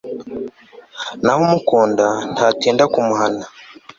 naho umukunda, ntatinda kumuhana